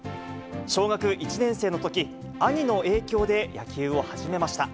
小学１年生のとき、兄の影響で野球を始めました。